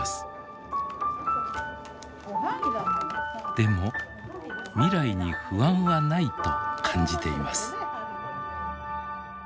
でも未来に不安はないと感じています。